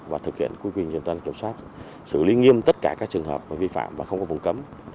và thực hiện quy quyền truyền toàn kiểm soát xử lý nghiêm tất cả các trường hợp vi phạm và không có vùng cấm